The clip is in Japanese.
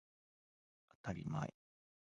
あたりまえ